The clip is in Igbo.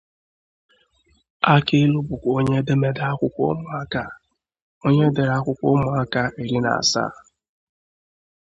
Akilu bụkwa onye edemede akwụkwọ ụmụaka, onye dere akwukwo umuaka iri na asaa.